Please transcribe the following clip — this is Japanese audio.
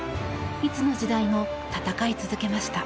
いつの時代も戦い続けました。